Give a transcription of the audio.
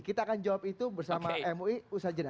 kita akan jawab itu bersama mui usha jena